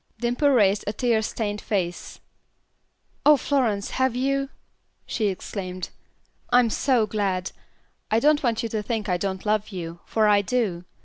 Dimple raised a tear stained face. "Oh, Florence, have you?" she exclaimed. "I'm so glad. I don't want you to think I don't love you, for I do.